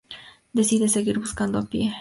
Deciden seguir buscando a pie.